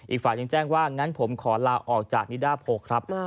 อีกฝ่ายยังแจ้งว่างั้นผมขอลาออกจากนิดาโพครับ